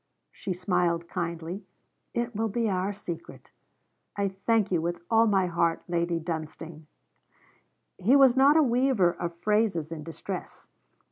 She smiled kindly. 'It will be our secret.' 'I thank you with all my heart, Lady Dunstane.' He was not a weaver of phrases in distress.